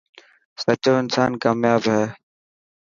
سچو انسان ڪامياب هي.